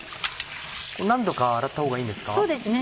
何度か洗ったほうがいいんですか？